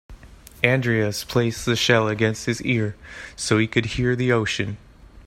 Andreas placed the shell against his ear so he could hear the ocean.